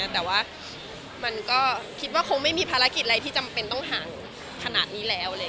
แต่ว่ามันก็คิดว่าคงไม่มีภารกิจอะไรที่จำเป็นต้องห่างขนาดนี้แล้ว